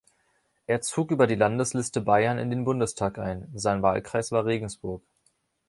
Er zog über die Landesliste Bayern in den Bundestag ein, sein Wahlkreis war Regensburg.